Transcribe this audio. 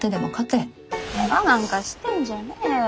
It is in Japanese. ケガなんかしてんじゃねえよ。